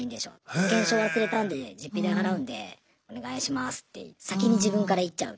保険証忘れたんで実費で払うんでお願いしますって先に自分から言っちゃう。